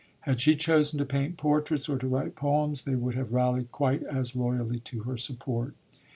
Had she chosen to paint portraits or to write poems, they would have rallied quite as loyally to her support.